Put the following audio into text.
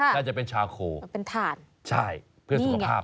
น่าจะเป็นชาโคเป็นทานนี่ไงสีสวยใช่เพื่อสุขภาพ